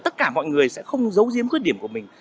tất cả mọi người sẽ không giấu giếm khuyết điểm của mình